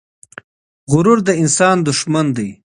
غرور د انسان دښمن دی.